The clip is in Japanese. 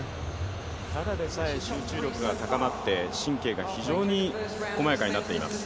ただでさえ集中力が高まって神経が非常に細やかになっています。